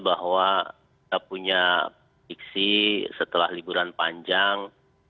bahwa kita punya prediksi setelah liburan panjang